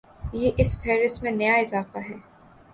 یہ اس فہرست میں نیا اضافہ ہے